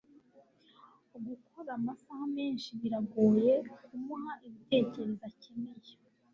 gukora amasaha menshi, biragoye kumuha ibitekerezo akeneye